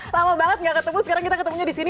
lama banget gak ketemu sekarang kita ketemunya di sini